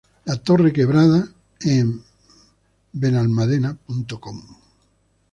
La Torre Quebrada en Benalmadena.com